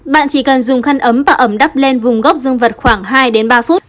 bạn chỉ cần dùng khăn ấm và ấm đắp lên vùng gốc dương vật khoảng hai ba phút